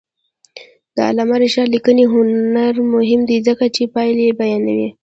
د علامه رشاد لیکنی هنر مهم دی ځکه چې پایلې بیانوي.